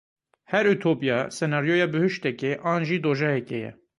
Her utopya, senaryoya bihuştekê an jî dojehekê ye.